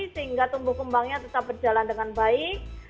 sehingga tumbuh kembangnya tetap berjalan dengan baik